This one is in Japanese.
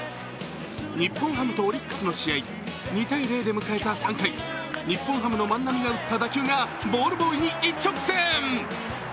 日本ハムとオリックスの試合、２−０で迎えた３回、日本ハムの万波が打った打球がボールボーイに一直線。